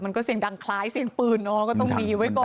มันก็เสียงดังคล้ายเสียงปืนเนาะก็ต้องหนีไว้ก่อน